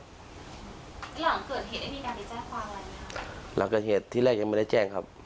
หลังเกิดเหตุได้มีการไปแจ้งความอะไรหลังเกิดเหตุที่แรกยังไม่ได้แจ้งครับ